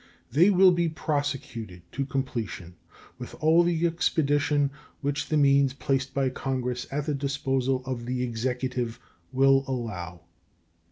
They will be prosecuted to completion with all the expedition which the means placed by Congress at the disposal of the Executive will allow.